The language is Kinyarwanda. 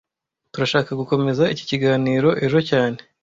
Turashaka gukomeza iki kiganiro ejo cyane